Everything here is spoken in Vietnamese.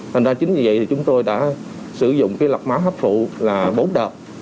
thành ra chính vì vậy thì chúng tôi đã sử dụng cái lọc máu hấp phụ là bốn đợt